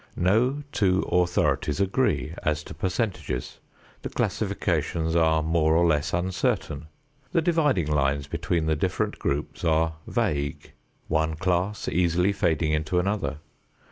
No two authorities agree as to percentages; the classifications are more or less uncertain; the dividing lines between the different groups are vague, one class easily fading into another.